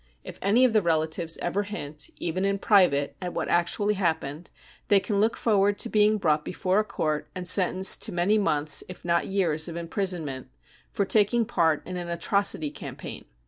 If any of the relatives ever hint, even in private, at what actually happened, they can look forward to being brought before a court and sentenced to many months, if not years, of imprisonment, for taking part in an " atrocity campaign."